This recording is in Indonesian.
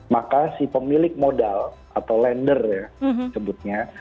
maka si pemilik modal atau lender ya sebutnya